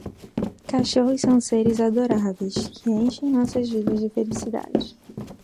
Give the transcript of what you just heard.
Cachorros são seres adoráveis que enchem nossas vidas de felicidade.